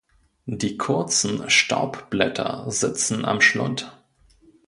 Die kurzen Staubblätter sitzen am Schlund.